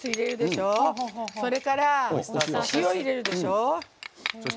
それから塩入れるでしょ。